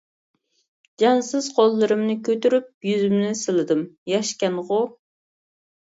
جانسىز قوللىرىمنى كۆتۈرۈپ يۈزۈمنى سىلىدىم، ياشكەنغۇ!